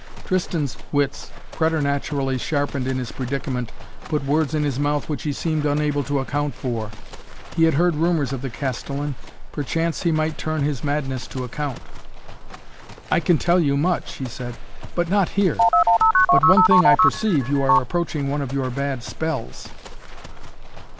Tristan's wits, preternaturally sharpened in his predicament put words in his mouth which he seemed unable to account for. He had heard rumors of the Castellan. Perchance he might turn his madness to account. "I can tell you much," he said. "But not here! But one thing I perceive. You are approaching one of your bad spells."